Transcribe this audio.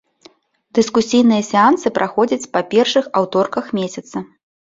Дыскусійныя сеансы праходзяць па першых аўторках месяца.